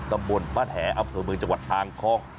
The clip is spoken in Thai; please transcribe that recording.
ตะบนบ้านแห่อำเผอเมืองจังหวัดทางคลอง